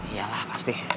iya lah pasti